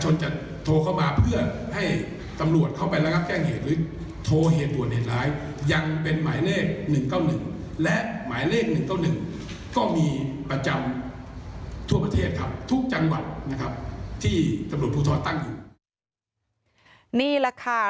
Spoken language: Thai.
นี่แหละค่ะ